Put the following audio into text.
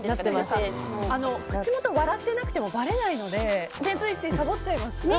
口元、笑ってなくてもばれないのでついつい、さぼっちゃいますよね。